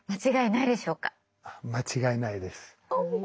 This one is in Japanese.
間違いないです。